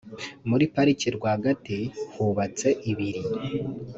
muri Pariki rwagati hubatse ibiri